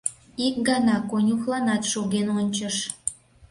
Ик гана конюхланат шоген ончыш.